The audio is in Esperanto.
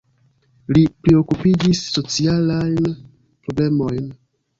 Li priokupiĝis socialajn problemojn.